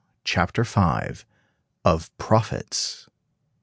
Chapter V. Of Profits.